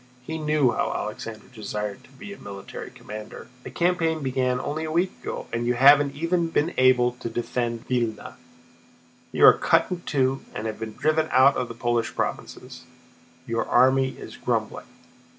He knew how Alexander desired to be a military commander. "The campaign began only a week ago, and you haven't even been able to defend Vílna. You are cut in two and have been driven out of the Polish provinces. Your army is grumbling."